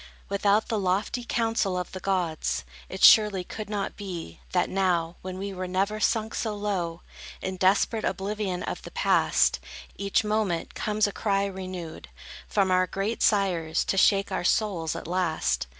Without the lofty counsel of the gods, It surely could not be, that now, When we were never sunk so low, In desperate oblivion of the Past, Each moment, comes a cry renewed, From our great sires, to shake our souls, at last!